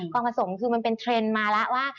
ผสมคือมันเป็นเทรนด์มาแล้วว่า